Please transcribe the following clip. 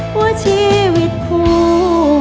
ว่าชีวิตคู่